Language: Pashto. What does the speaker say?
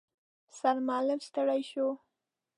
سرمعلم ستړی شو.